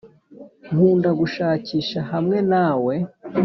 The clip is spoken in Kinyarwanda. nkunda gushakisha hamwe nawe